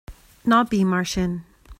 Ná bí mar sin.